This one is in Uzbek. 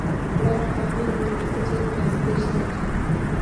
Ular kitobni uyingizgacha yetkazib berishar ekan.